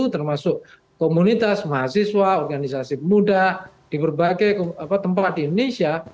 termasuk komunitas mahasiswa organisasi pemuda di berbagai tempat di indonesia